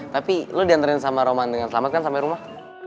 tapi lo diantarin sama roman dengan selamat kan sampai rumah